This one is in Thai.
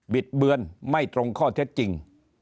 ิดเบือนไม่ตรงข้อเท็จจริง